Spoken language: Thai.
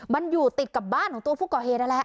มันอยู่ติดกับบ้านของตัวผู้ก่อเฮน